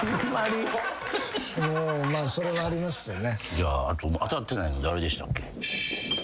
じゃああと当たってないの誰でしたっけ？